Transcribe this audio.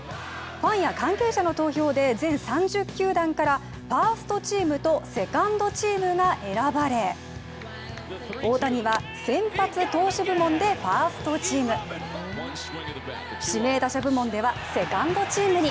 ファンや関係者の投票で全３０球団からファーストチームとセカンドチームが選ばれ大谷は先発投手部門でファーストチーム、指名打者部門ではセカンドチームに。